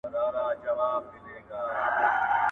حق باید حقدار ته ورسېږي.